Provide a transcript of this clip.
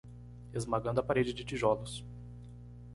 Esmagando a parede de tijolos